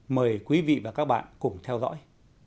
mời quý vị và các bạn cùng theo dõi